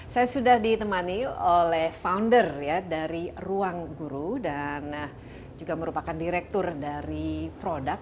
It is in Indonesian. saya sudah ditemani oleh founder dari ruang guru dan juga merupakan direktur dari produk